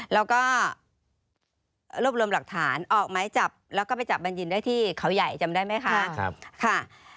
แล้วก็รวบรวมหลักฐานออกไม้จับแล้วก็ไปจับบัญญินได้ที่เขาใหญ่จำได้ไหมคะ